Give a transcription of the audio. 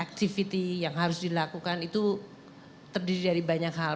activity yang harus dilakukan itu terdiri dari banyak hal